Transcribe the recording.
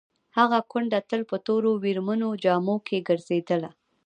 هغه کونډه تل په تورو ویرمنو جامو کې ګرځېدله.